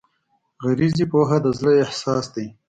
غریزي پوهه د زړه احساس دی.